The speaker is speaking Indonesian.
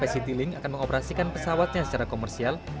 maska p citilink akan mengoperasikan pesawatnya secara komersial